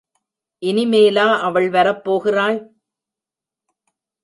இனிமேலா அவள் வரப்போகிறாள்?